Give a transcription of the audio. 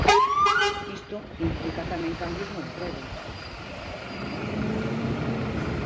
Isto implica tamén cambios no emprego.